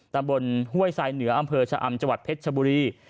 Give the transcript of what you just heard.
ตำรวจห้วยไซน์เหนืออำเภอชะอำจเพชรชบุรี